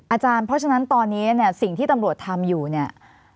อาจารย์เพราะฉะนั้นตอนนี้เนี่ยสิ่งที่ตำรวจทำอยู่เนี่ย